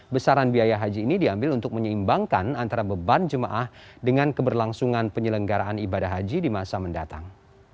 besaran biaya haji ini diambil untuk menyeimbangkan antara beban jemaah dengan keberlangsungan penyelenggaraan ibadah haji di masa mendatang